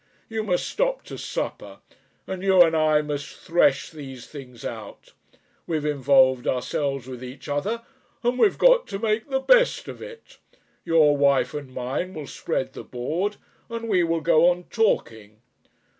You must stop to supper and you and I must thresh these things out. We've involved ourselves with each other and we've got to make the best of it. Your wife and mine will spread the board, and we will go on talking.